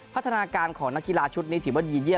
พัฒนาการของนักกีฬาชุดนี้ถือว่าดีเยี